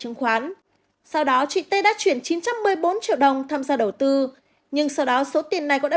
chứng khoán sau đó chị t đã chuyển chín trăm một mươi bốn triệu đồng tham gia đầu tư nhưng sau đó số tiền này có đã